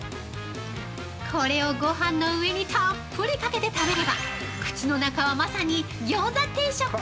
これをごはんの上にたっぷりかけて食べれば口の中はまさにギョーザ定食！